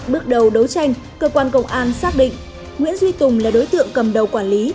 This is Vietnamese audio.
bước đầu đấu tranh cơ quan công an xác định nguyễn duy tùng là đối tượng cầm đầu quản lý